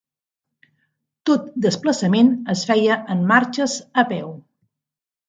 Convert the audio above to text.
Tot desplaçament es feia en marxes a peu.